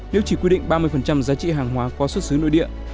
nếu chỉ quy định ba mươi giá trị hàng hóa có xuất xứ nội địa